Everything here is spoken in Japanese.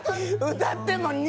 歌っても２。